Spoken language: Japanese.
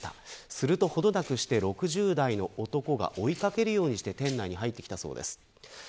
すると、ほどなくして６０代の男が、追い掛けるようにして店内に入ってきたそうです。